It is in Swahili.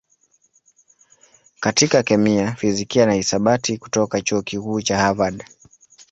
katika kemia, fizikia na hisabati kutoka Chuo Kikuu cha Harvard.